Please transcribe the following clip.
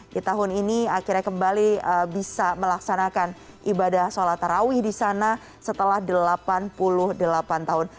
di tahun ini akhirnya kembali bisa melaksanakan ibadah sholat tarawih di sana setelah delapan puluh delapan tahun